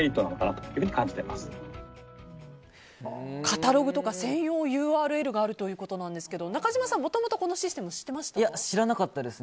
カタログとか専用ＵＲＬがあるということなんですけど中島さん、もともとこのシステム知らなかったです。